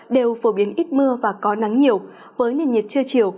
đều phổ biến ít mưa và có nắng nhiều với nền nhiệt chưa chiều